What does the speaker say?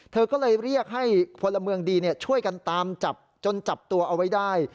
เธอก็เลยเรียกให้พลเมืองดีช่วยกันตามจับจนจับตัวเอาไว้ได้